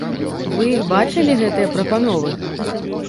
Вы іх бачылі, гэтыя прапановы?